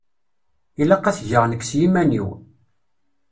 Ilaq ad t-geɣ nekk s yiman-iw.